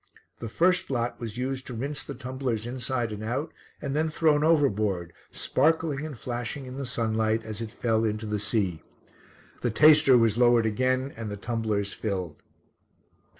The first lot was used to rinse the tumblers inside and out and then thrown overboard, sparkling and flashing in the sunlight as it fell into the sea. The taster was lowered again and the tumblers filled.